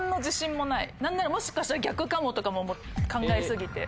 何ならもしかしたら逆かもとかも考え過ぎて。